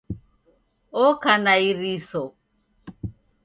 Oka na iriso